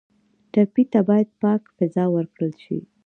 ټپي ته باید پاکه فضا ورکړل شي.